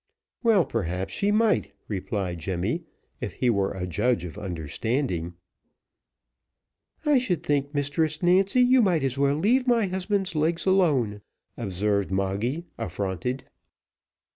"Well, perhaps she might," replied Jemmy, "if he were a judge of understanding." "I should think, Mistress Nancy, you might as well leave my husband's legs alone," observed Moggy, affronted.